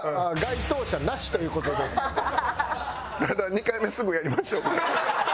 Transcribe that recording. ２回目すぐやりましょう。